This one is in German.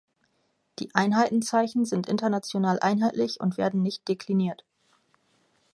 Die Einheitenzeichen sind international einheitlich und werden nicht dekliniert.